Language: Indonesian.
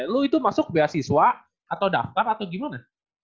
lu itu masuk beasiswa atau daftar atau gimana